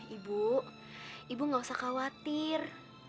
ibu ibu gak usah khawatir